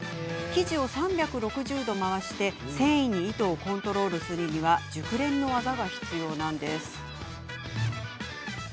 生地を３６０度回して繊細に糸をコントロールするには熟練の技が必要なんです。